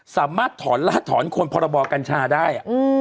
สามารถถอนล่าถอนคนพรบกัญชาได้